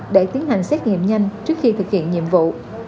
để tiến hành xét nghiệm nhanh trước khi thực hiện nhiệm vụ